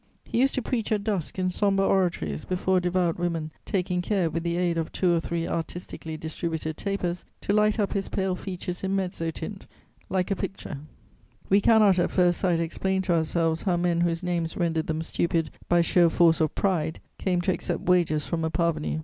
He used to preach at dusk, in sombre oratories, before devout women, taking care, with the aid of two or three artistically distributed tapers, to light up his pale features in mezzotint, like a picture. We cannot, at first sight, explain to ourselves how men whose names rendered them stupid by sheer force of pride came to accept wages from a parvenu.